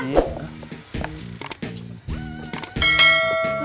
kunci motornya udah ketemu